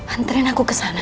anterin aku ke sana